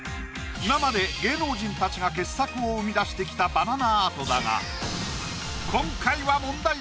今まで芸能人たちが傑作を生み出してきたバナナアートだが。